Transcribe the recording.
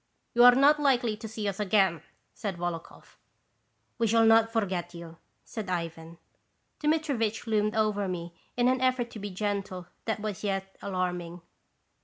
" You are not likely to see us again," said Volokhoff. " We shall not forget you," said Ivan. Dmitirivich loomed over me in an effort to be gentle that was yet alarming.